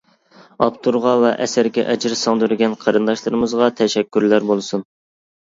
ئاپتورغا ۋە ئەسەرگە ئەجىر سىڭدۈرگەن قېرىنداشلىرىمىزغا تەشەككۈرلەر بولسۇن.